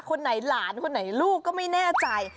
คนไหนหลานคนไหนลูกก็ไม่แน่ใจ